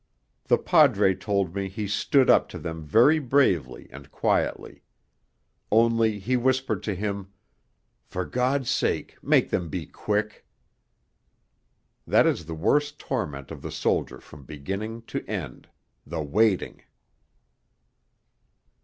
The Padre told me he stood up to them very bravely and quietly. Only he whispered to him, 'For God's sake make them be quick.' That is the worst torment of the soldier from beginning to end the waiting....